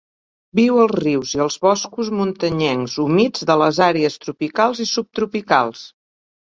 Viu als rius i als boscos muntanyencs humits de les àrees tropicals i subtropicals.